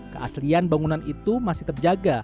keaslian bangunan itu masih terjaga